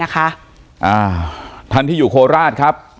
ท่านที่อยู่โคราชครับ